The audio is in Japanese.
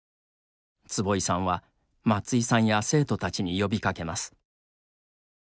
坪井さんは、松井さんや生徒たちに呼びかけます。